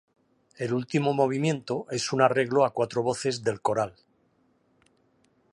El último movimiento es un arreglo a cuatro voces del coral.